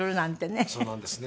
そうなんですね。